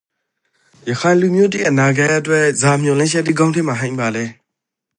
ရခိုင်လူမျိုးတိအနာဂတ်အတွက်ဇာမျှော်လင့်ချက်တိခေါင်းထဲမှာ ဟိမ့်ပါလဲ?